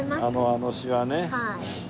あの詞はね。